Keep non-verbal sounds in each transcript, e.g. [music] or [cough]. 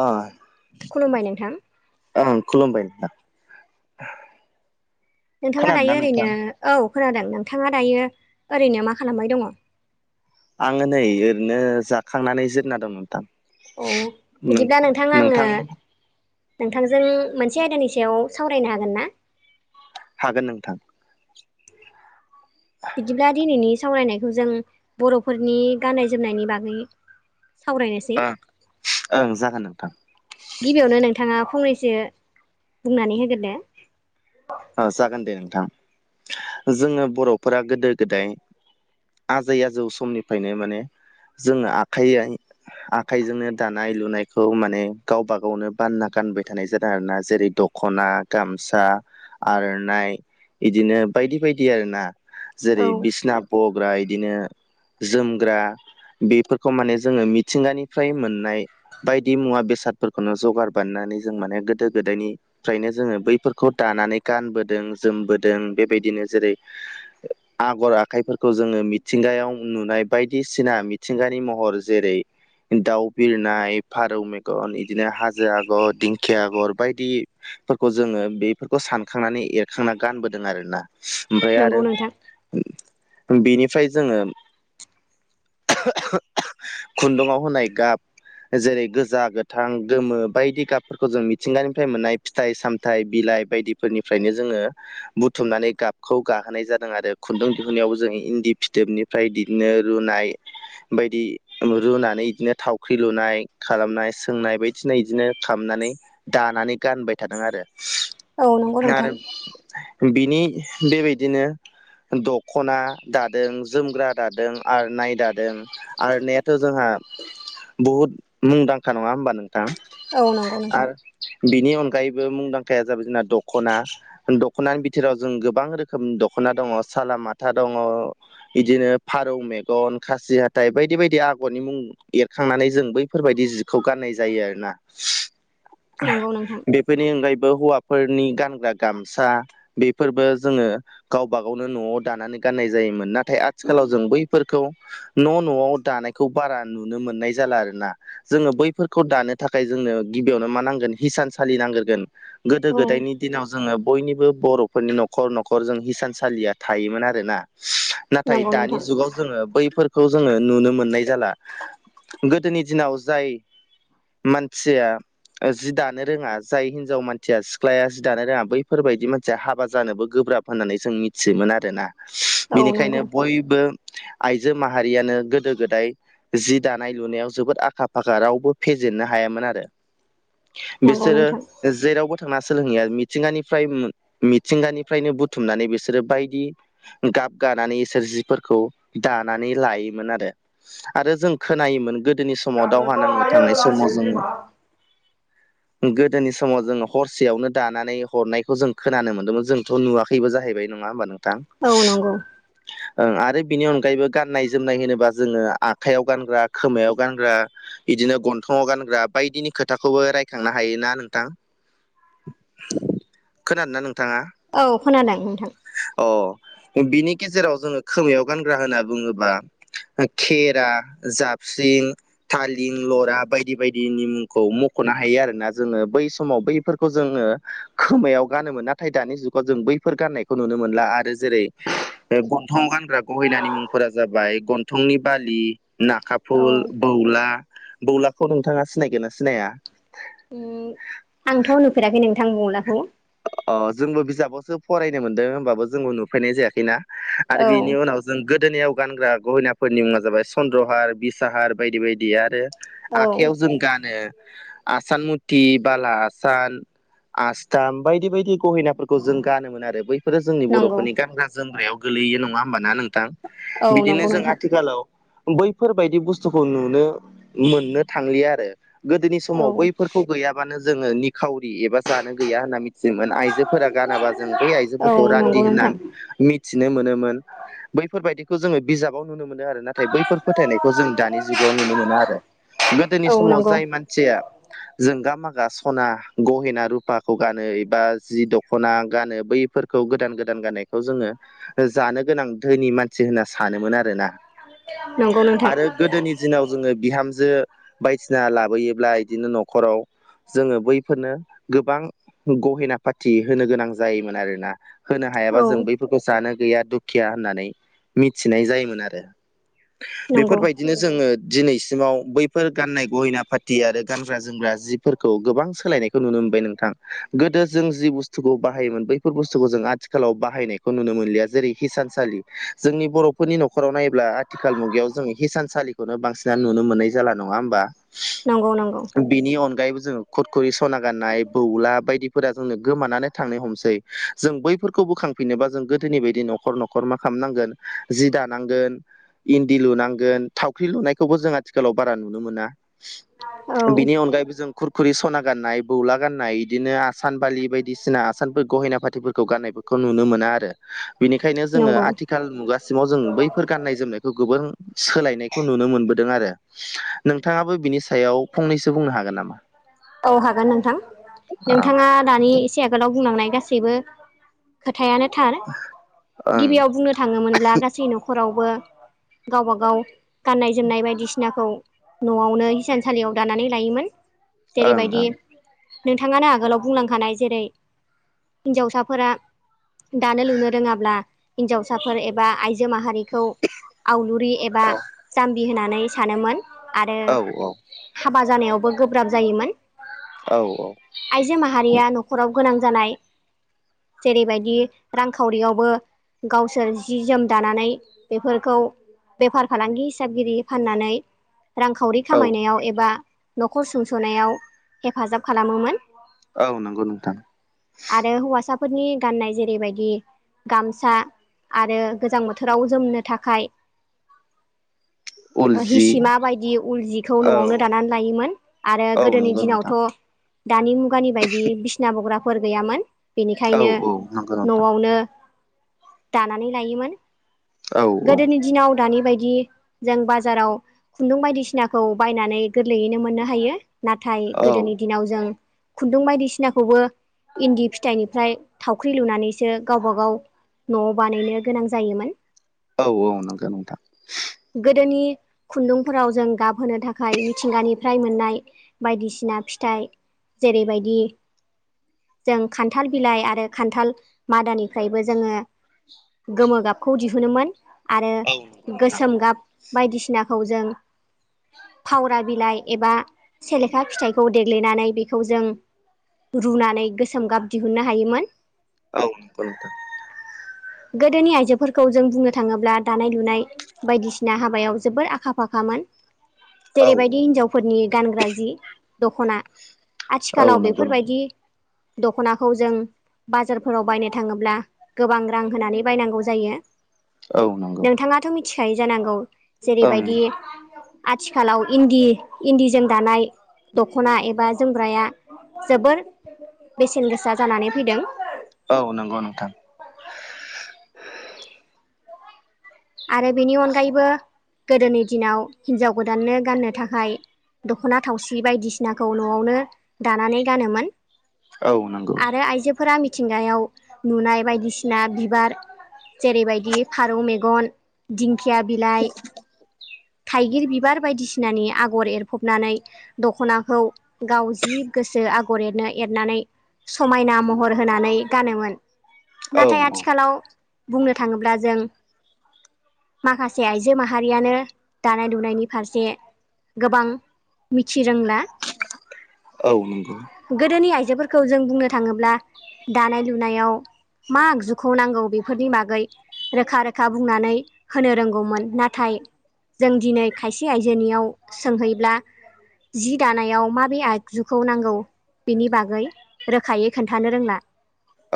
आ खुलुमबाय नोंथां। ओं खुलुमबाय नाथां ह । नोंथाङा दायो ओरैनो औ खोनादों नोंथाङा दायो ओरैनो मा खालामबाय दङ? आङो नै ओरैनो जाखांनानै जिरना दं नोंथां। अ बिदिब्ला नोंथां आङो नोंथांजों मोनसे आयदानि सायाव सावरायनो हागोन ना? हागोन नोंथां । बिदिब्ला दिनैनि सावरायनायखौ जों बर'फोरनि गाननाय जोमनायनि बागै सावरायनोसै ओं ओं जागोन नोंथां। गिबियावनो नोंथाङा फंनैसो बुंनानै होग्रोदो । अ जागोन दे नोंथां। जोङो बर'फोरा गोदो गोदाय आजै आजौ समनिफ्रायनो माने जोङो आखाइ आखाइजोंनो दानाय लुनायखौ माने गावबा गावनो बानना गानबाय थानाय जादों आरोना जेरै दख खना गामसा आर'नाइ इदिनो बायदि बायदि आरो ना। औ जेरै बिसना बग्रा इदिनो जोमग्रा बेफोरखौ माने जोङो मिथिंगानिफ्राय मोननाय बायदि मुवा बेसाद फोरखौनो जगार बानायनानै जों माने गोदो गोदायनिफ्रायनो जोङो बैफोरखौ दानानै गानबोदों जोमबोदों बेबायदिनो जेरै [inaudible] आगर आखाइफोरखौ जोङो मिथिंगायाव नुनाय बायदिसिना मिथिंगानि महर जेरै दाउ बिरनाय, फारौ मेगन बिदिनो हाजो आगर, दिंखिया आगर बायदि फोरखौ जोङो बेफोरखौ सान खांनानै एरखांना गानबोदों आरो ना ओमफ्राय नंगौ आरो नोंथां बेनिफ्राय जोङो खुन्दुाव होनाय गाब जेरै गोजा गोथां गोमो बायदि गाबफोरखौ जों मिथिंगानिफ्राय मोननाय फिथाइ साम थाय बिलाइ बायदिफोरनिफ्रायनो जोङो बुथुमनानै गाबखौ गाहोनाय जादों आरो खुन्दुं दिहुननायाव जों इन्दि फिथोबनि फ्राय बिदिनो रुनाय बायदि रुनानै बिदिनो थावख्रि लुनाय खालामनाय सोंनाय बायदि [unintelligible] बिदिनो खालामनानै दानानै गानबाय थादों आरो । औ नंगौ नोंथां आरो बिनि बेबायदिनो दख'ना दादों, जोमग्रा दादों, आर'नाय दादों आर'नायाथ' जोंहा बहुद मुंदांखा नङा होमबा नोंथां औ नंगौ नोंथां आरो बिनि अनगायैबो मुंदांखाया जाबाय जोंना दख'ना दख'नानि बिथोराव जों गोबां रोखोम दख'ना दङ सालामाथा दङ बिदिनो फारौ मेगन खासि हाथाइ बायदि बायदि आगरनि मुं एरखांनानै जों बैफोरबायदि जिखौ गान्नाय जायो आरो ना नंगौ नोंथां बेनि अनगायैबो हौवाफोरनि गानग्रा गामसा बेफोरबो जोङो गावब गावनो न'आव दानानै गाननाय जायोमोन नाथाय आथिखालाव जों बैफोरखौ न' न'आव दानायखौ बारा नुनो मोननाय जाला आरो ना जोङो बैफोरखौ दानो थाखाय जोंनो गिबियावनो मा नांगोन हिसानसालि नांग्रोगोन गोदो औ गोदायनि दिनाव जोङो बयनिबो बर'फोरनि न'खर न'खर जों हिसानसालिया थायोमोन आरोना नाथाय नंगौ दानि नोंथां जुगाव जोङो बैफोरखौ जोङो नुनो मोननाय जाला गोदोनि दिनाव जाय मानसिया जि दानो रोङा जाय हिनजाव मानसिया सिख्लाया जि दानो रोङा बैफोरबायाददि मानसिया हाबा जानोबो गोब्राब होननानै जों मिथियोमोन आरो ना औ बेनिखायनो नंगौ बयबो आइजो माहारियानो गोदो गोदाय जि दानाय लुनायाव जोबोद आखा फाखा रावबो फेजेननो हायामोन आरो नंगौ बिसोरो नोंथां जेरावबो थांना स सोलोंनाया मिथिंगानिफ्राय मिथिंगानिफ्रायनो बुथुमनानै बिसोरो बायदि गाब गानानै इसोर जिफोरखौ दानानै लायोमोन आरो आरो जों खोनायोमोन गोदोनि समाव दावहा नांनो थांनाय समाव जोङो गोदोनि समाव जोङो हर सेयावनो दानानै हरनायखौ जों खोनानो मोन्दोंमोन जोंथ' नुवाखैबो जाहैबाय नङा होमबा नों थां औ नंगौ ओं आरो बिनि अनगायैबो गाननाय जोमनाय होनोबा जोङो आखायाव गानग्रा खोमायाव गानग्रा बिदिनो गन्थङाव गानग्रा बायदिनि खोथाखौबो रायखांनो हायोना नोंथां खोनादोंना नोंथाङा औ खोनादों नोंथां अ बिनि गेजेराव जोङो खोमायाव गानग्रा होनना बुङोबा खेरा जाबस्रिं थालम लरा बायदि बायदिनि मुंखौ मख'नो हायो आरोोना जोङो बै समाव बैफोरखौ जोङो खोमायाव गानोमोन नाथाय दानि जुगाव जों बैफोर गाननायखौ नुनो मोनला आरो जेरै गन्थं गानग्रा गहैनि मुंफोरा जाबाय गन्थंनि बालि ना औ खााफुल बौला बौलाखौ नोंथाङा सिनायगोन ना सिनाया उम आंथ' नुफेराखै नोंथां बंलाखौ अ जोंबो बिजाबावसो फरायनो मोनदों होनबाबो जोंबो नुफैनाय जायाखैना आरो औ बिनि उनाव जों गोदोोनायाव गानग्रा गहिनाफोरनि मुङा जाबाय चन्द्रहार बिसाहार बायदि बायदि आरो औ आखाइयाव जों गानो आसान मुति बाला हासान आस्थाम बायदि बायदि गहेनाफोरखौ जों गानोमोन आरो बैफोरो जोंनि नंगौ बर'फोरनि गानग्रा जोमग्रायाव गोलैयो नङा होमबाना नोंथां औ बिदिनो नंगौ जों नोंथां आथिखालाव बैफोरबायदि बुस्थुखौ नुनो मोननो थांलिया आरो गोदोनि औ समाव बैफोरखौ गैयाबानो जोङो निखावरि एबा जानो गैया होननानै मि दोंमोन आइजोफोरा गानाबा जों बै औ आइजोफोरखौ रान्दि नंगौ नोंथां होननानै मि मिथिनो मोनोमोन बैफोरबायदिखौ जोङो बिजाबाव नुनो मोनो आरो नाथाय बैफोर फोथायनायखौ जों दानि जुगाव नुनो मोनो आरो गोदोनि औ समाव नंगौ जाय मानसि जोंगा मागा सना गहेना रुपाखौ गानो बा जि दख'ना गानो बैफोरखौ गोदान गोदान गाननायखौ जोङो जानो गोनां धोनि मानसि होनना सानोमोन आरो ना नंगौ नोंथां गोदोनि दिनाव जोङो बिहामजो बायसिना लाबोयोब्ला बिदिनो न'खराव जोङो बैफोरनो गोबां गहेना पाति होनो गोनां जायोमोन आरोना होनो हायाबा औ जों बैफोरखौ जानो गैया दुख थिया होननानै मिथिनाय जायोमोन आरो नंगौ बेफोरबायदिनो जो जोङो दिनैसिमाव बैफोर गाननाय गहिना पाटि आरो गानग्रा जोमग्रा जि फोरखौ गोबां सोलायनायखौ नुनो मोनबाय नोंथां गोदो जों जि बुस्थुखौ बाहायोमोन बेफोर बुस्थुखौ जों आथिखालाव बाहायनायखौ नुनो मोनलिया जेरै हिसानसालि जोंनि बर'फोरनि न'खराव नायोब्ला आथिखाल मुगायाव जों हिसानसालिखौनो बांसिनना नुनो मोननाय जाला नङा होमबा नोंगौ नोंगौ बेनि अनगायैबो जोङो खुर कुरि सना गाननाय खौ आ बायदिफोरा जोंनो गोमानानै थांनो हमसै जों बैफोरखौ बोखांफिनोबा जों गोदोनि बायदि न'खर न'खर खरमा खालामनांगोन जि दानांगोन इन्दि लुनांगोन थावख्रि लुनायखौबो जों आथिखालाव बारा नुनो मोना औ बिनि अनगायैबो जों खुरखुरि सना गाननाय बौला गाननाय इदिनो आसान बालि बायदिसिना आसानफोर गहेना फाथिफोरखौ गाननायफोरखौ नुनो मोना आरो बेनिखायनो जोङो नंगौ आथिखाल आथिखाल मुगासिमाव जों बैफोर गान्नाय जोमनायखौ गोबोर सोलायनायखौ नुनो मोनबोदों आरो नोंथाङाबो बिनि सायाव फंनैसो बुंनो हागोन नामा? औ हागोन नोंथां नोंथाङा दानि एसे आगोलाव बुंलांनाय गासैबो खोथायानो थार ओं गिबियाव बुंनो थाङोमोनब्ला गासै न'खरावबो गावब गाव गाननाय जोमनाय बायदिसिनाखौ न'आवनो हिसानसालियाव दानानै लायोमोन ओं जेरैबायदि ओं नोंथाङानो आगोलाव बुंलांखानाय जेरै हिनजावसाफोरा दानो लुनो रोङाब्ला हिनजावसाफोर एबा आइजो जो माहारिखौ आवलुरि एबा जाम्बि होननानै सानोमोन आरो औ हाबा जानायावबो गोब्राब जायोमोन औ औ आइजो माहारिया न'खराव गोनां जानाय जेरैबायदि रांखावरियावबो गावसोर जि जोम दानानै बेफोरखौ बेफार फालांगि हिसाबगिरि फाननानै। रांखावरि औ खामायनायाव एबा न'खर सुंस'नायाव हेफाजाब खालामोमोन। औ नोंगौ नोंथां। आरो हौवासाफोरनि गाननाय जेरैबायदि। गामसा आरो गोजां बोथोराव जोमनो थाखाय। उल ओ जि हिसिमा बायदि उल जिखौ औ न'आवनो दानानै लायोमोन। आरो औ गोदोनि नंगौ दिनावथ' नोंथां दानि मुगानि बायदि बिसना बग्राफोर गैयामोन। औ बेनिखायनो औ नंगौ नोंथां न'आवनो। दानानै लायोमोन औ गोदोनि दिनाव दानि बायदि। जों बाजाराव खुन्दुं बायदिसिनाखौ बायनानै गोरलैयैनो मोननो हायो। नाथाय औ गोदोनि दिनाव जों। खुन्दुं बायदिसिनाखौबो इन्दि फिथाइनिफ्राय थावख्रि लुनानैसो गावबा गाव। न'आव बानायनो गोनां जायोमोन। औ औ नोंगौ नोंथां। गोदोनि खुन्दुंफोराव जों गाबहोनो थाखाय मिथिंगानिफ्राय मोननाय। बायदिसिना फिथाइ जेरैबायदि। जों खान्थाल बिलाइ आरो खान्थाल मादानिफ्रायबो जोङो गोमो गाबखौ दिहुनोमोन आरो औ नंगौ नोंथां गोसोम गाब बायदिसिनाखौ जों फावरा बिलाइ एबा। सेलेखा फिथाइखौ देग्लिनानै बेखौ जों रुनानै गोसोम गाब दिहुननो हायोमोन। औ नोंगौ नोंथां। गोदोनि आइजोफोरखौ जों बुंनो थाङोब्ला दानाय लुनाय। बायदिसिना हाबायाव जोबोर आखा फाखामोन। औ जेरैबायदि हिनजावफोरनि गानग्रा जि दख'ना। औ आथिखालाव नंगौ नोंथां बेफोरबायदि। दख'नाखौ जों बाजारफोराव बायनो थाङोब्ला गोबां रां। होनानै बायनांगौ जायो औ नंगौ नोंथांङाथ' मिथिखायो जानांगौ। ओं जेरैबायदि। आथिखालाव इन्दि इन्दिजों दानाय दख'ना एबा जोमग्राया। जोबोर बेसेन गोसा जानानै फैदों। औ नोंगौ नोंथां। आरो बेनि अनगायैबो गोदोनि दिनाव हिनजाव गोदाननो गाननो थाखाय। दख'ना थावसि बायदिसिनाखौ न'आवनो दानानै गानोमोन। औ नंगौ आरो आइजोफोरा मिथिंगायाव नुनाय बायदिसिना बिबार। जेरैबायदि फारौ मेगन दिंखिया बिलाइ। थाइगिर बिबार बायदिसिनानि आगर एरफबनानै। दखनाखौ गाव जि गोसो आगर एरनो एरनानै। समायना महर होनानै गानोमोन। औ नाथाय आथिखालाव बुंनो थाङोब्ला जों। माखासे आइजो माहारियानो दानाय लुनायनि फारसे। गोबां मिथि रोंला। औ नोंगौ। गोदोनि आइजोफोरखौ जों बुंनो थाङोब्ला दानाय लुनायाव। मा आगजुखौ नांगौ बेफोरनि बागै रोखा रोखा बुंनानै। होनो रोंगौमोन नाथाय जों दिनै खायसे आयजोनियाव सोंहैब्ला। जि दानायाव माबे आगजुखौ नांगौ। बिनि बागै रोखायै खोन्थानो रोंला।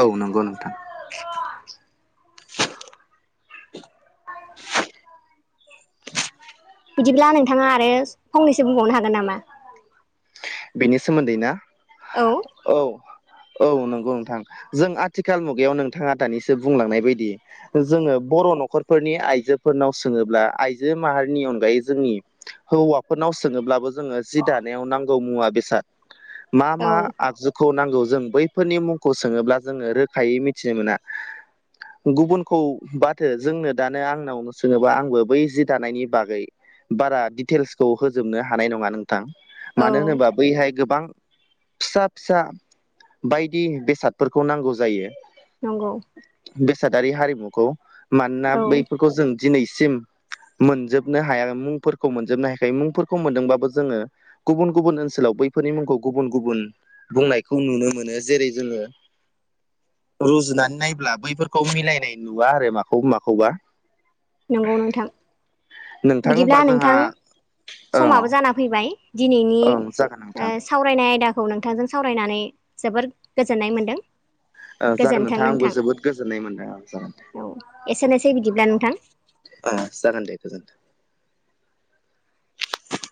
औ नोंगौ नोंथां। [unintelligible] [inaudible] बिदिब्ला नोंथाङा आरो फंनैसो बुंबावनो हागोन नामा बेनि सोमोन्दै ना औ औ औ नंगौ नोंथां जों आथिखाल मुगायाव नोंथाङा दानिसो बुंलांनाय बायदि जोङो बर' न'खरफोरनि आइजोफोरनाव सोङोब्ला आइजो माहारिनि अनगायै जोंनि हौवाफोरनाव सोङोब्लाबो जोङो जि दानायाव नांगौ मुवा बेसाद मा औ मा आगजुखौ नांगौ जों बै फोरनि मुंखौ सोङोब्ला जोङो रोखायै मिथिनो मोना गुबुनखौ बाथो जोंनो दानो आंनाव सोङोबा आंबो बै जि दानायनि बागै बारा डिटेल्सखौ होजोबनो हानाय नङा नोंथां औ मानो होनोबा बैहाय गोबां फिसा फिसा बायदि बेसादफोरखौ नांगौ जायो नंगौ बेसादारि हारिमुखौ मानोना औ बैफोरखौ जों दिनैसिम मोनजोबनो हायाै मुंफोरखौ मोनजोबनो हायाखै मुंफोरखौ मोनदोंबाबो जोङो गुबुन गुबुन ओनसोलाव बैफोरनि मुंखौ गुबुन गुबुन बुंनायखौ नुनो मोनो जेरै जोङो रुजुनानै नायब्ला बैफोरखौ मिलायनाय नुवा आरो माखौ माखौबा नंगौ नोंथां नोंथां बिदिब्ला होमबा नोंथां जोंहा औ समाबो जाना फैबाय दिनैनि औ जागोन ओ नोंथां सावरायनाय आयदाखौ नोंथांजों सावरायनानै जोबोर गोजोननाय मोन्दों ओ जागोन नोंथां आंबो जोबोद गोजोननाय मोनदों ओ जागोन औ एसेनोसै बिदिब्ला नोंथां ओ जागोन दे गोजोनथों